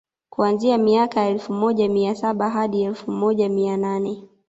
kuanzia miaka ya elfu moja mia saba hadi elfu moja mia nane